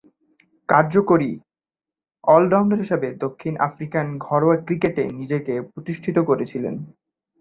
কার্যকরী অল-রাউন্ডার হিসেবে দক্ষিণ আফ্রিকান ঘরোয়া ক্রিকেটে নিজেকে প্রতিষ্ঠিত করেছিলেন।